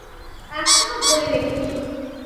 এখনও ধরে রেখেছি।